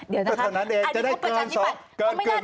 เดี๋ยวนะครับกดทนทางนี้ปฎกเกินกิน